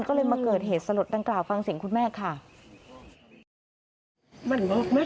ก็เลยมาเกิดเหตุสลดดังกล่าวฟังเสียงคุณแม่ค่ะ